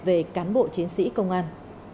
về cán bộ chiến sĩ công an